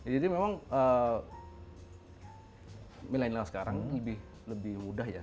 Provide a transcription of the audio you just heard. jadi memang milenial sekarang lebih mudah ya